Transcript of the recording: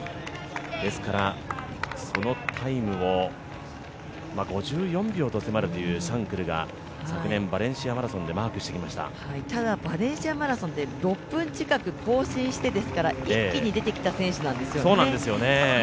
ですから、そのタイムを５４秒と迫るシャンクルが昨年バレンシア・マラソンでただ、バレンシア・マラソンで６分近く更新してですから一気に出てきた選手なんですよね